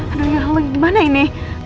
aduh ya allah gimana ini